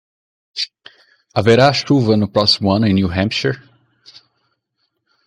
Haverá chuva no próximo ano em New Hampshire?